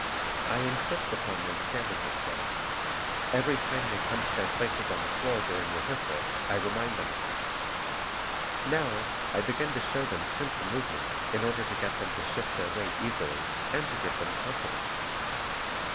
I insist upon their standing this way. Every time they come to their places on the floor during rehearsal, I remind them of it. Now, I begin to show them simple movements in order to get them to shift their weight easily and to give them confidence.